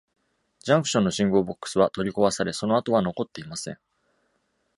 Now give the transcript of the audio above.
ジャンクションの信号ボックスは取り壊され、その跡は残っていません。